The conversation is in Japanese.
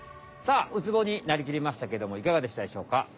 さあウツボになりきりましたけどもいかがでしたでしょうか？